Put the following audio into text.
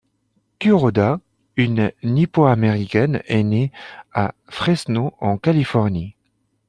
Kuroda, une nippo-americaine, est née à Fresno en Californie.